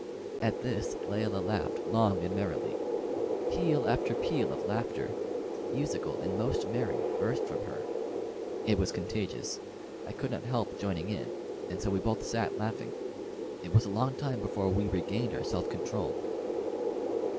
At this Layelah laughed long and merrily. Peal after peal of laughter, musical and most merry, burst from her. It was contagious; I could not help joining in, and so we both sat laughing. It was a long time before we regained our self control.